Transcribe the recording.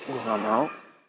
gue gak mau